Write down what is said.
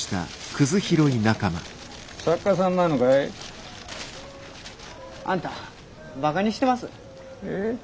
作家さんなのかい？あんたバカにしてます？え？